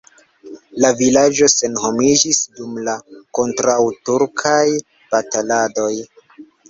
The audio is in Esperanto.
La vilaĝo senhomiĝis dum la kontraŭturkaj bataladoj.